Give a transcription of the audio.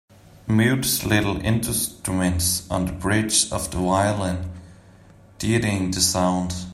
Mutes little instruments on the bridge of the violin, deadening the sound.